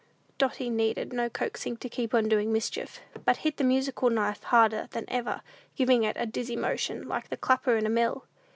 Dotty needed no coaxing to keep on doing mischief, but hit the musical knife harder than ever, giving it a dizzy motion, like the clapper in a mill.